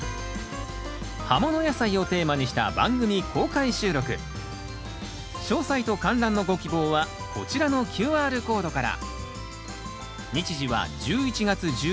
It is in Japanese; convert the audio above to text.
葉もの野菜をテーマにした番組公開収録詳細と観覧のご希望はこちらのＱＲコードから。